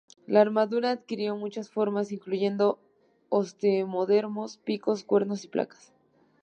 La armadura adquirió muchas formas, incluyendo osteodermos, picos, cuernos y placas.